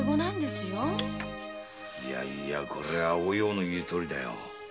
こりゃお葉の言うとおりだよ。